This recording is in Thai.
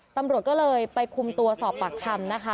ตำรวจก็เลยไปคุมตัวสอบปากคำนะคะ